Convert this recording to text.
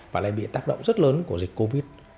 và lại bị tác động rất lớn của dịch covid